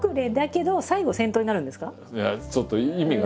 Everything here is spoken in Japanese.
いやちょっと意味がね。